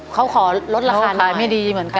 เขาขอลดราคาหน่อยเขาขายไม่ดีเหมือนกัน